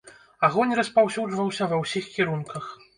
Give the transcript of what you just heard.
Агонь распаўсюджваўся ва ўсіх кірунках.